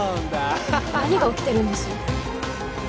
ハハハハ何が起きてるんです？